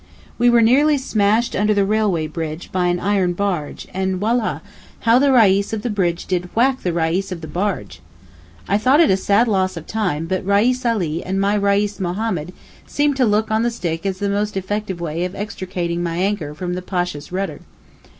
We were nearly smashed under the railway bridge by an iron barge—and Wallah! how the Reis of the bridge did whack the Reis of the barge. I thought it a sad loss of time, but Reis Ali and my Reis Mohammed seemed to look on the stick as the most effective way of extricating my anchor from the Pasha's rudder.